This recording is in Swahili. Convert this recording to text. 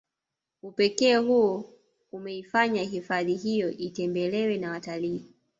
Upekee huo umeifanya hifahdi hiyo itembelewe na watalii